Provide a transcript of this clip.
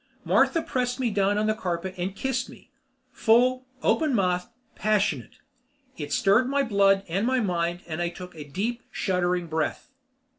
Martha pressed me down on the carpet and kissed me, full, open mouthed, passionate. It stirred my blood and my mind and I took a deep, shuddering breath.